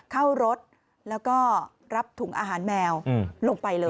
เข้ารถแล้วก็รับถุงอาหารแมวลงไปเลย